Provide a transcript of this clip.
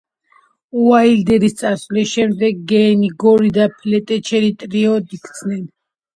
უაილდერის წასვლის შემდეგ გეენი, გორი და ფლეტჩერი ტრიოდ იქცნენ.